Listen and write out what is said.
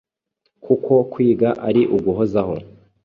kuko kwiga ari uguhozaho.